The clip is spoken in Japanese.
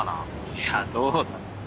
いやどうだろ。